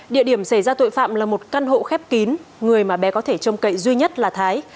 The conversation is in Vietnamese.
địa điểm xảy ra tội phạm là một căn hộ khép kín người mà bé có thể trông cậy duy nhất là thái